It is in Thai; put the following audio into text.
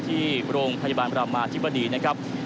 ที่โรงพยาบาลประมาธิบดีนะครับ